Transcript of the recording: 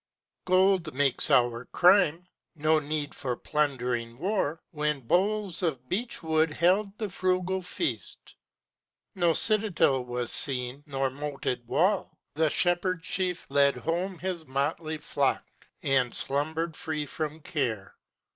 Gold makes our crime. No need for plundering war, When bowls of beech wood held the frugal feast. No citadel was seen nor moated wall; The shepherd chief led home his motley flock, And slumbered free from care.